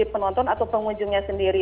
penonton atau pengunjungnya sendiri